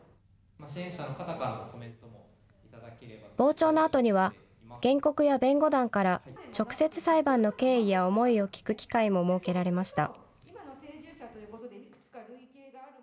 傍聴のあとには、原告や弁護団から直接裁判の経緯や思いを聞く機会も設けられました。